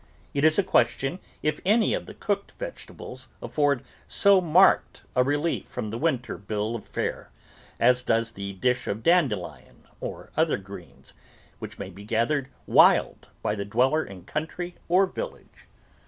It is a question if any of the cooked vegetables afford so marked a relief from the winter bill of fare as does the dish of dandelion or other greens, which may be gathered wild by the dweller in country or village.